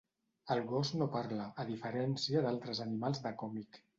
El gos no parla, a diferència d'altres animals de còmic.